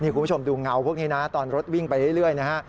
คุณผู้ชมดูเงาพวกนี้นะตอนรถวิ่งไปเรื่อยนะฮะ